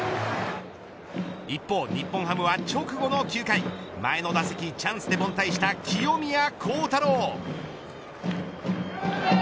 一方、日本ハムは直後の９回前の打席チャンスで凡退した清宮幸太郎。